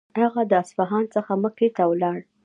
هغه له اصفهان څخه مکې ته ولاړ.